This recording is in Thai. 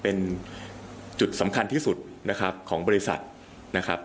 เป็นจุดสำคัญที่สุดนะครับของบริษัทนะครับ